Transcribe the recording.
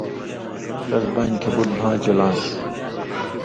ݜس بانیۡ کھیں بُٹ بھاں چُلان٘س۔